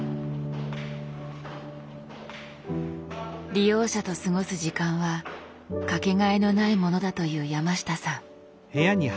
利用者と過ごす時間は掛けがえのないものだという山下さん。